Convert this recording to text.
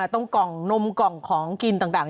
กล่องนมกล่องของกินต่าง